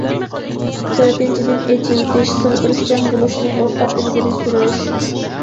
تۆتىنچىدىن، ئېچىۋېتىش، سىغدۇرۇشچان بولۇشنى ئورتاق ئىلگىرى سۈرۈش.